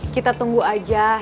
kita tunggu aja